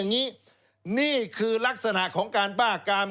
นี่คือลักษณะของการบ้ากราม